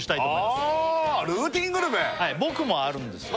はい僕もあるんですよ